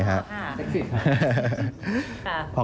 ใช่ครับ